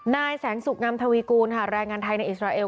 นายแสนสุขงามทวีกูลค่ะแรงงานไทยในอิสราเอล